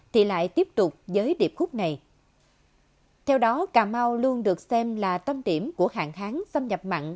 thì lại tiếp tục với điệp khúc này theo đó cà mau luôn được xem là tâm điểm của hạn hán xâm nhập mặn